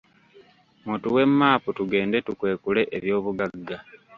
Mutuwe map tugende tukwekule eby'obugagga.